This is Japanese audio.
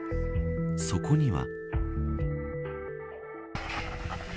そこには。